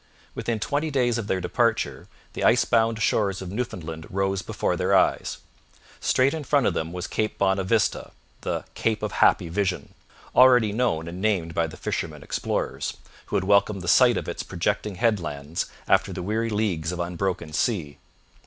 Within twenty days of their departure the icebound shores of Newfoundland rose before their eyes. Straight in front of them was Cape Bonavista, the 'Cape of Happy Vision,' already known and named by the fishermen explorers, who had welcomed the sight of its projecting headlands after the weary leagues of unbroken sea.